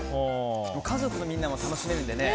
家族のみんなで楽しめるのでね。